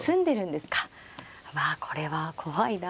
うわこれは怖いな。